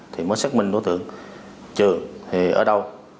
thì mới xác minh đối tượng trường thì ở đâu